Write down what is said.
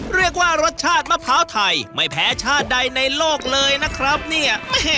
เรียกว่ารสชาติมะพร้าวไทยไม่แพ้ชาติใดในโลกเลยนะครับเนี่ย